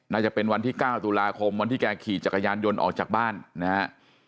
น่าจะเป็นวันที่๙ตุลาคมวันที่แกขี่จักรยานยนต์ออกจากบ้านนะฮะ